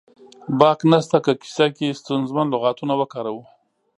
باک نه شته که کیسه کې ستونزمن لغاتونه وکاروو